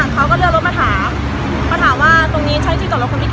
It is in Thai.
เขายืนอยู่ตรงเนี้ย